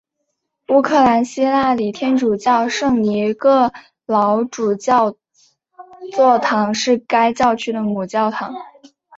乌克兰希腊礼天主教圣尼各老主教座堂是该教区的母教堂。